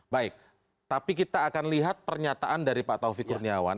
baik tapi kita akan lihat pernyataan dari pak taufik kurniawan